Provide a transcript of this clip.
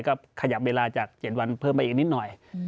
ก็ขยับเวลาจาก๗วันเพิ่มไปอีกนิดหน่อย